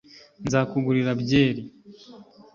nzakugurira byeri